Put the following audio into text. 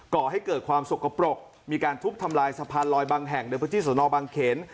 ก่อให้เกิดความสกปรกมีการทุบทำลายสะพานลอยบางแห่งในพื้นที่สนบางเขน